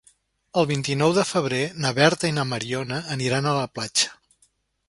El vint-i-nou de febrer na Berta i na Mariona aniran a la platja.